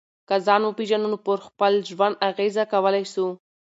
که ځان وپېژنو نو پر خپل ژوند اغېزه کولای سو.